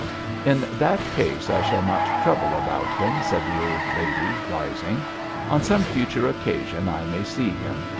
'In that case I shall not trouble about him,' said the old lady, rising; 'on some future occasion I may see him.